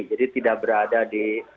jadi tidak berada di sekolah sekolah